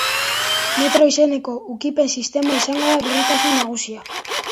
Metro izeneko ukipen-sistema izango da berritasun nagusia.